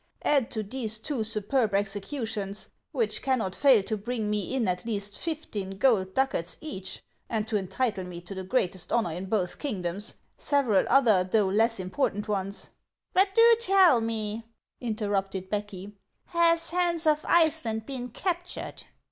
Add to these two superb executions, which cannot fail to bring me in at least fifteen gold ducats each, and to entitle me to the greatest honor in both kingdoms, several other though less important ones — "But do tell me," interrupted Becky, "has Hans of Iceland been captured